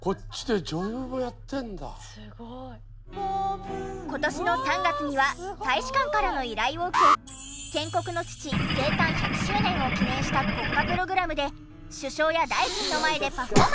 こっちで今年の３月には大使館からの依頼を受け建国の父生誕１００周年を記念した国家プログラムで首相や大臣の前でパフォーマンス。